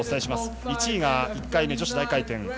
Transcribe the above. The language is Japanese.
１位が１回目女子大回転